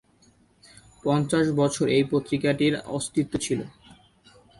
পঞ্চাশ বছর এই পত্রিকাটির অস্তিত্ব ছিল।